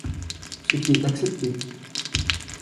Ce qui est accepté.